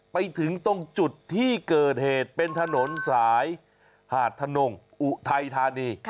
ไปถึงตรงจุดที่เกิดเหตุเป็นถนนสายหาดทนงอุทัยธานี